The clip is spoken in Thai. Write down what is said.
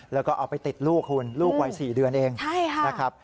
แล้วก็เอาไปติดลูกคุณลูกวัย๔เดือนเองนะครับ